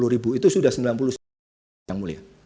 sepuluh ribu itu sudah sembilan puluh sembilan yang mulia